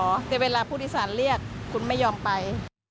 แต่เวลาผู้โดยสารเรียกคุณไม่ยอมไป